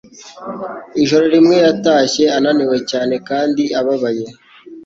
Ijoro rimwe yatashye ananiwe cyane kandi ababaye.